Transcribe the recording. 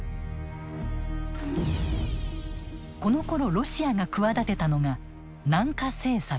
このころロシアが企てたのが南下政策。